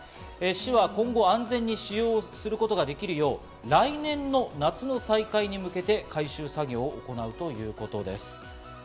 市は今後、安全に使用することができるよう、来年の夏の再開に向けて改修作業を行うということです。